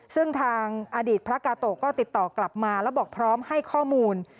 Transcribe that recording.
ซึ่งทางอดีตพระกาโตะก็ติดต่อกลับมาแล้วบอกพร้อมให้ข้อมูล